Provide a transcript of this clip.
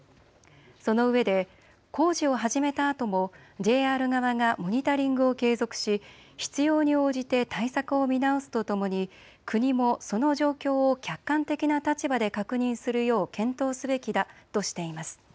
そのうえで工事を始めたあともＪＲ側がモニタリングを継続し必要に応じて対策を見直すとともに国もその状況を客観的な立場で確認するよう検討すべきだとしています。